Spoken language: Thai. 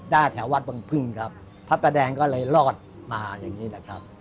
แถววัดบังพึ่งครับพระประแดงก็เลยรอดมาอย่างนี้นะครับ